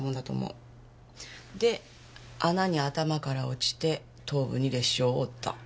で穴に頭から落ちて頭部に裂傷を負った。